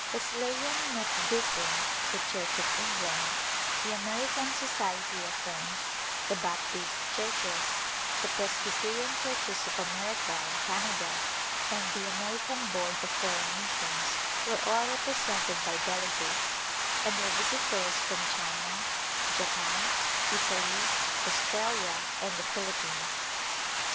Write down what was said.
Wesleyan Methodism, the Church of Eng land, the American Society of Friends, the Baptist Churches, the Presbyterian Churches of America and Canada and the American Board of Foreign Missions were all represented by delegates, and their visitors from China, Japan, Italy, Australia and the Philip pines.